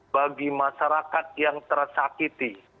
bagi masyarakat yang tersakiti